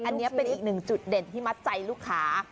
อันนี้เป็นอีกหนึ่งจุดเด่นที่มัดใจลูกค้า